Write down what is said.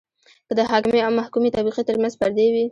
که د حاکمې او محکومې طبقې ترمنځ پردې وي.